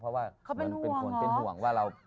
เพราะว่าเป็นห่วงว่าเรา